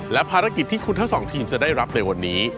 และภารกิจที่คุณทั้งสองทีมจะได้รับในวันนี้